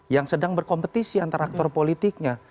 yang sedang berkompetisi antara aktor politiknya